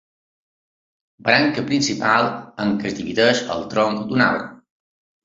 Branca principal en què es divideix el tronc d'un arbre.